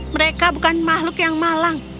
mereka bukan makhluk yang malang